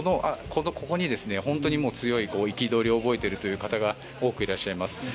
ここに本当に強い憤りを覚えているという方が多くいらっしゃいます。